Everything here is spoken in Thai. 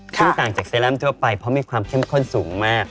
ซึ่งต่างจากเซรั่มทั่วไปเพราะมีความเข้มข้นสูงมาก